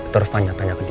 terus tanya tanya ke dia